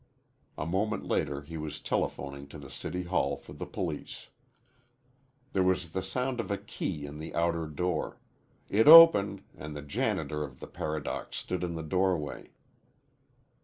A moment later he was telephoning to the City Hall for the police. There was the sound of a key in the outer door. It opened, and the janitor of the Paradox stood in the doorway.